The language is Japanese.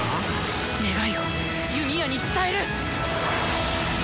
願いを弓矢に伝える！